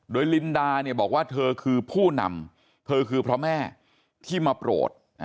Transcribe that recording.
โดยลินดาเนี่ยบอกว่าเธอคือผู้นำเธอคือพระแม่ที่มาโปรด